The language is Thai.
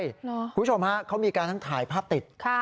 คุณผู้ชมเขามีการถ่ายภาพติด